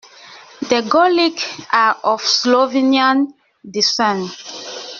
The Golics are of Slovenian descent.